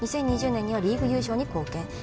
２０２０年にはリーグ優勝に貢献